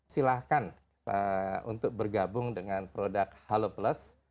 silahkan untuk bergabung dengan produk halo plus